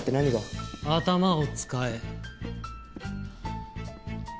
頭を使え。